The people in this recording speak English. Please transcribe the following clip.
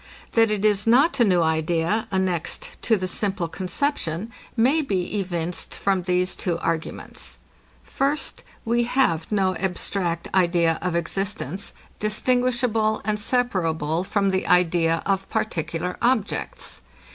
That it is not a new idea, annexed to the simple conception, may be evinced from these two arguments. First, We have no abstract idea of existence, distinguishable and separable from the idea of particular objects.